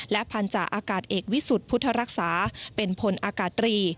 และพันธาอากาศเอกวิสุทธิ์พุทธรักษาเป็นพลอากาศตรี